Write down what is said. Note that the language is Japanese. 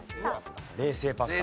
冷製パスタ？